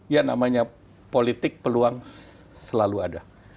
ya namanya politik peluang selalu ada